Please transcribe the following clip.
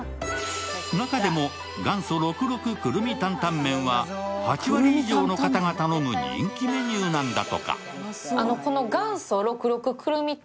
中でも元祖６６くるみ担々麺は８割以上の方が頼む人気メニューなんだとか。